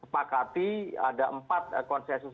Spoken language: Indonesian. pakati ada empat konsensus